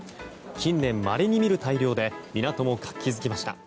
近年まれに見る大漁で港も活気づきました。